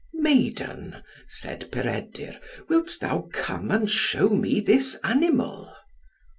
"Maiden," said Peredur, "wilt thou come and show me this animal?"